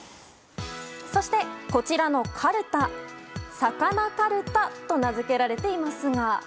そして、こちらのカルタさかなかるたと名づけられていますが。